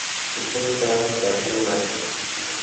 Está situada junto al río Martín.